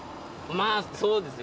まあそうですね。